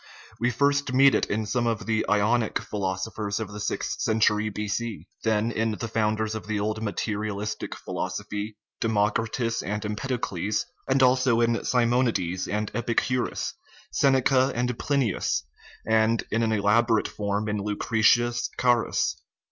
We first meet it in some of the Ionic phi losophers of the sixth century B.C., then in the founders of the old materialistic philosophy, Democritus and Empedocles, and also in Simonides and Epicurus, Sen eca and Plinius, and in an elaborate form in Lucretius Carus.